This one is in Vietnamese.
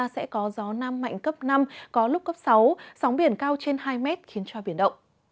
sẽ có gió nam mạnh cấp năm có lúc cấp sáu sóng biển cao trên hai mét khiến cho biển động